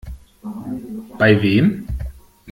Bei wem?